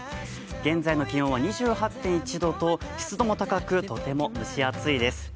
現在の気温は２８．１度と湿度も高くとても蒸し暑いです。